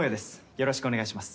よろしくお願いします。